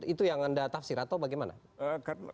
itu yang anda tafsir atau bagaimana